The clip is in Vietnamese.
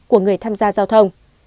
của người tham gia giao thông